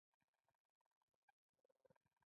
د ښار په څلورلارې کې یو کس ولاړ دی.